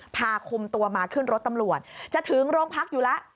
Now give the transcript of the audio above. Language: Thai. พาคุมตัวมาขึ้นรถตำรวจจะถึงโรงพักอยู่แล้ว